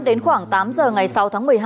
đến khoảng tám giờ ngày sáu tháng một mươi hai